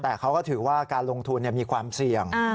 แต่เขาก็ถือว่าการลงทุนมีความเสี่ยง